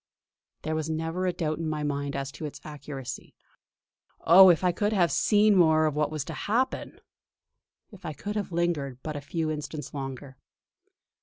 There was never a doubt in my mind as to its accuracy. Oh! if I could have seen more of what was to happen; if I could have lingered but a few instants longer!